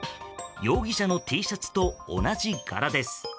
容疑者のＴシャツと同じ柄です。